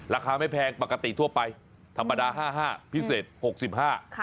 ราคาไม่แพงปกติทั่วไปธรรมดา๕๕พิเศษ๖๕บาท